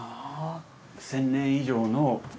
１，０００年以上の。